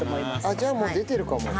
じゃあもう出てるかも。